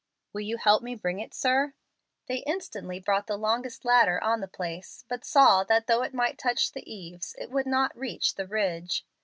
"Will you help me bring it, sir?" They instantly brought the longest ladder on the place, but saw that though it might touch the eaves, it would not reach the ridge.